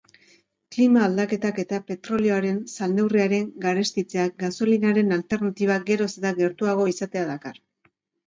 Klima-aldaketak eta petrolioaren salneurriaren garestitzeak gasolinaren alternatibak geroz eta gertuago izatea dakar.